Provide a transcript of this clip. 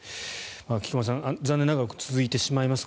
菊間さん、残念ながら続いてしまいます